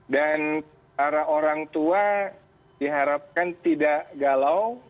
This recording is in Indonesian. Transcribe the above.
dan para orang tua diharapkan tidak galau